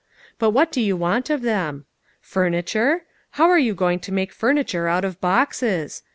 But what do you want of them ? Furniture ? How are you going to make furniture out of boxes